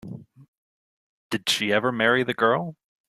Did she ever marry the girl?